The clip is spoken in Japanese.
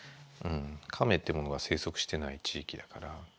カメってものが生息してない地域だから。